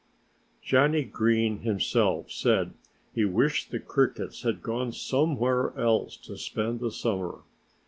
Johnnie Green himself said he wished the Crickets had gone somewhere else to spend the summer.